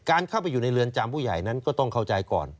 เข้าไปอยู่ในเรือนจำผู้ใหญ่นั้นก็ต้องเข้าใจก่อน